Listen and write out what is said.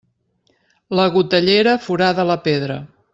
La gotellera forada la pedra.